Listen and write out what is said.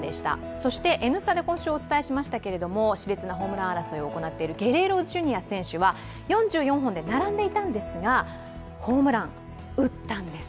そして、「Ｎスタ」で今週お伝えしましたけどし烈なホームラン王争いをしているゲレーロＪｒ．選手は４４本で並んでいたんですが、ホームラン、打ったんです。